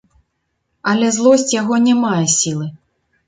Але злосць яго не мае сілы.